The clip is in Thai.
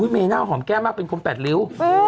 เมด้าหอมแก้มากเป็นสองแฉดริ้ว